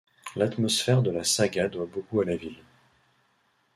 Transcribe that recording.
L'atmosphère de la saga doit beaucoup à la ville.